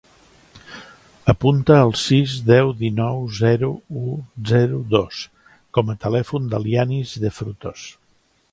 Apunta el sis, deu, dinou, zero, u, zero, dos com a telèfon del Yanis De Frutos.